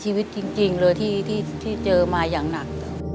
ชีวิตจริงเลยที่เจอมาอย่างหนัก